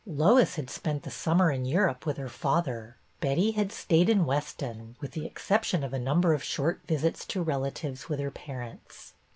Lois had spent the summer in Europe with her father; Betty had stayed in Weston, with the exception of a number of short visits to relatives with her parents.